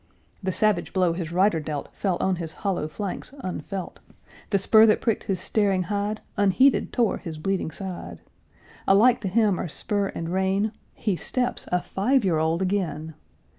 The savage blow his rider dealt Fell on his hollow flanks unfelt; The spur that pricked his staring hide Unheeded tore his bleeding side; Alike to him are spur and rein, He steps a five year old again!